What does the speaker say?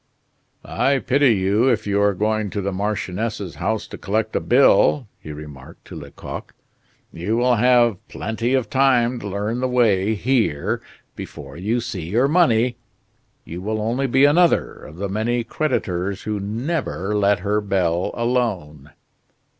"I pity you if you are going to the marchioness's house to collect a bill," he remarked to Lecoq. "You will have plenty of time to learn the way here before you see your money. You will only be another of the many creditors who never let her bell alone."